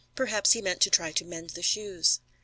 Perhaps he meant to try to mend the shoes.